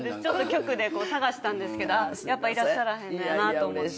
局で探したんですけどやっぱいらっしゃらへんのやなと思って。